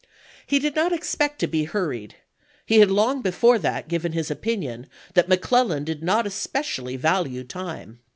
He did not expect to be hurried ; he had long before that given his opinion that McClellan did not especially value time.